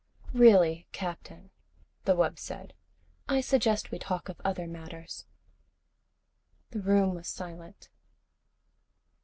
"Really, Captain," the wub said. "I suggest we talk of other matters." The room was silent.